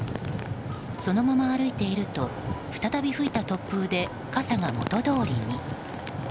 そのまま歩いていると再び吹いた突風で傘が元どおりに。